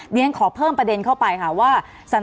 เรียนขอเพิ่มประเด็นเข้าไปค่ะว่า